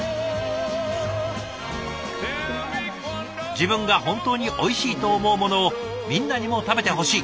自分が本当においしいと思うものをみんなにも食べてほしい。